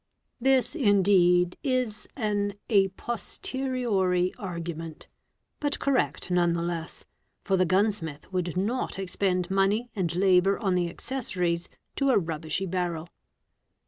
This, indeed, is an a posteriori = argument, but correct none the less, for the gunsmith would not expend | money and labour on the accessories to a rubbishy barrel.